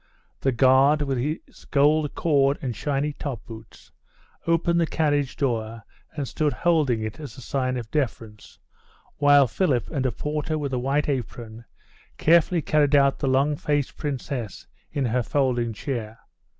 The guard, with his gold cord and shiny top boots, opened the carriage door and stood holding it as a sign of deference, while Philip and a porter with a white apron carefully carried out the long faced Princess in her folding chair.